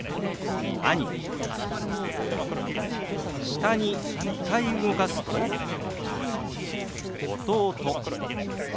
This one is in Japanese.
下に２回動かすと「弟」。